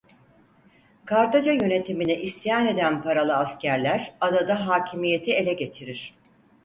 Kartaca yönetimine isyan eden paralı askerler adada hakimiyeti ele geçirir.